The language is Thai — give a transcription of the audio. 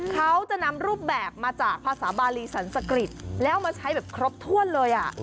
เขาจะนำรูปแบบมาจากภาษาบาลีสันสกริจแล้วมาใช้แบบครบถ้วนเลย